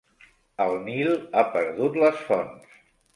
El Nil ha perdut les fonts.